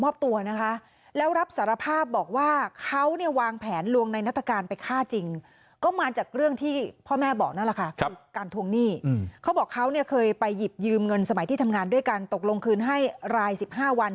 เพราะว่าลูกชายก็ต้องการใช้เงินเหมือนกัน